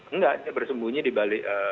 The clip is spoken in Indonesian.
enggak bersembunyi di balik